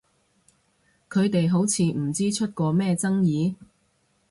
佢哋好似唔知出過咩爭議？